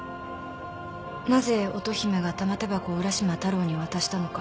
なぜ乙姫が玉手箱を浦島太郎に渡したのか。